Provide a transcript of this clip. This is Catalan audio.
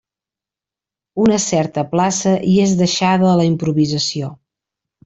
Una certa plaça hi és deixada a la improvisació.